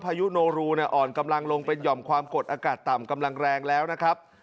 พายุโนรูเนี่ยอ่อนกำลังลงเป็นหย่อมความกดอากาศต่ำกำลังแรงแล้วนะครับ